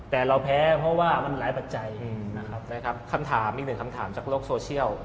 แต่เราแพ้เพราะว่ามันหลายปัจจัยนะครับนะครับคำถามอีกหนึ่งคำถามจากโลกโซเชียล